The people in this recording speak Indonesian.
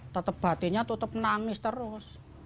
tetap batinya tutup menangis terus